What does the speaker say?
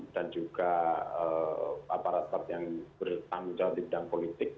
dan juga aparat aparat yang berletak di bidang politik